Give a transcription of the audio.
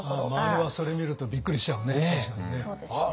周りはそれ見るとびっくりしちゃうね。